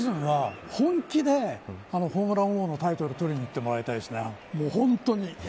今シーズンは本気でホームラン王のタイトルを取りにいってもらいたいですね。